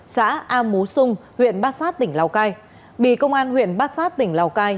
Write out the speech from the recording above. xã a mú xung huyện bát sát tỉnh lào cai bị công an huyện bát sát tỉnh lào cai